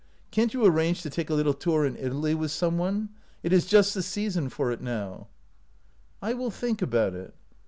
Can't you arrange to take a little tour in Italy with some one? It is just the season for it now." 105 OUT OF BOHEMIA " I will think about it."